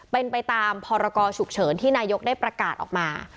เป็นไปตามพรกรฉุกเฉินที่นายกได้ประกาศออกมา